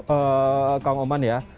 saya pada tahun tahun sebelumnya